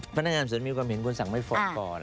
พนักงานสวนมีความเห็นควรสั่งไม่ฟ้องก่อน